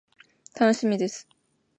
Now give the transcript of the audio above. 楽しみです。